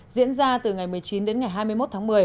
diễn ra từ ngày một mươi chín đến ngày hai mươi một tháng một mươi